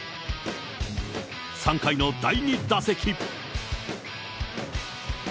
３回の第２打席。